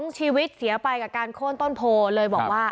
ชีวิตเสียไปกับการโค้นต้นโพเลยบอกว่า